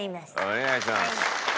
お願いします。